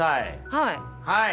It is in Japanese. はい。